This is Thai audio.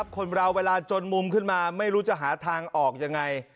คนเราเวลาจนมุมขึ้นมาไม่รู้จะหาทางออกยังไง